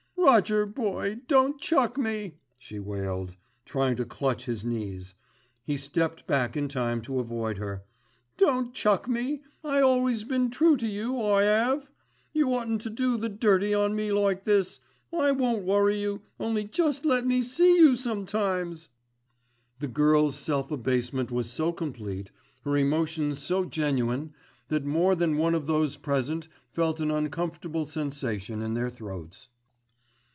"Roger boy, don't chuck me," she wailed, trying to clutch his knees, he stepped back in time to avoid her. "Don't chuck me. I always been true to you, I 'ave. You oughtn't to do the dirty on me like this. I won't worry you, only just let me see you sometimes." The girl's self abasement was so complete, her emotion so genuine that more than one of those present felt an uncomfortable sensation in their throats.